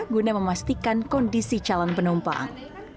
guna memastikan kondisi calon penumpang